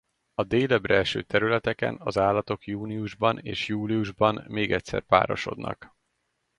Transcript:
A délebbre eső területeken az állatok júniusban és júliusban még egyszer párosodnak.